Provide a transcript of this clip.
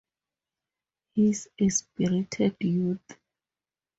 He's a spirited youth.